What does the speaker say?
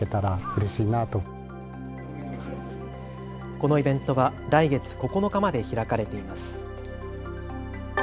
このイベントは来月９日まで開かれています。